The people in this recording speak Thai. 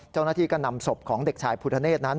เจ้าหน้าที่ก็นำศพของเด็กชายพุทธเนศนั้น